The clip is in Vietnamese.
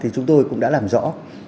chúng tôi cũng đã làm rõ